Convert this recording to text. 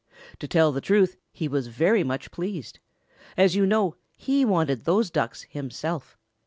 To tell the truth, he was very much pleased. As you know, he wanted those Ducks himself.